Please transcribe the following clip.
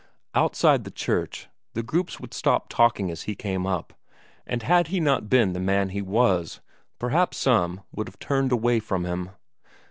Outside the church, the groups would stop talking as he came up, and had he not been the man he was, perhaps some would have turned away from him.